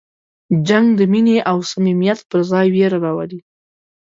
جنګ د مینې او صمیمیت پر ځای وېره راولي.